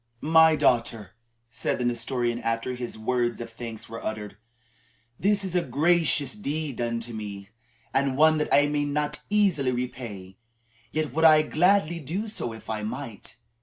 "My daughter," said the Nestorian after his words of thanks were uttered; "this is a gracious deed done to me, and one that I may not easily repay. Yet would I gladly do so, if I might.